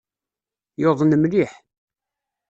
Yuḍen mliḥ.